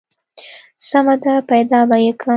سمه ده پيدا به يې کم.